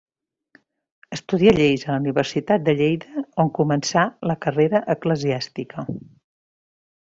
Estudià lleis a la Universitat de Lleida, on començà la carrera eclesiàstica.